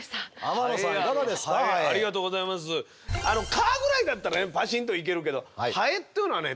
蚊ぐらいだったらバシンといけるけどハエっていうのはね